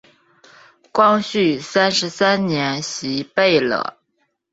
光绪三十三年袭贝勒。